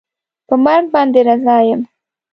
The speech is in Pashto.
په مرګ باندې رضا یم